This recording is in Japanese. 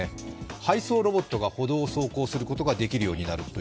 配送ロボットが歩道を走行することができるようになるって。